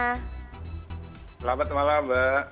selamat malam mbak